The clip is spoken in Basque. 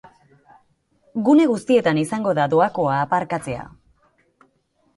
Gune guztietan izango da doakoa aparkatzea.